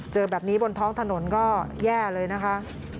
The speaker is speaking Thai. เจอแบบนี้บนท้องถนนก็แย่เลยนะคะ